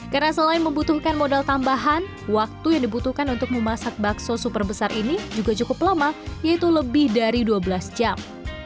karena selain membutuhkan modal tambahan waktu yang dibutuhkan untuk memasak bakso super besar ini juga cukup lama yaitu lebih dari dua belas jam